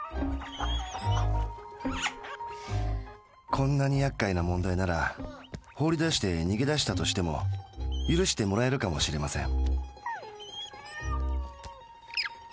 こんなにやっかいな問題なら放り出して逃げ出したとしても許してもらえるかもしれません。